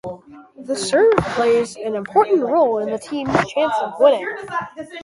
The serve plays an important role in a team's chances of winning.